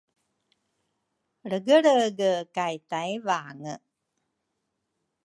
Lregelrege kay Tayvange